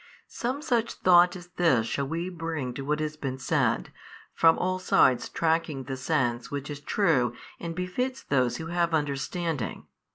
Some such thought as this shall we bring to what has been said, from all sides tracking the sense which is true and befits those who have understanding.